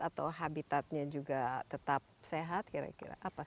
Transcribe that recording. atau habitatnya juga tetap sehat kira kira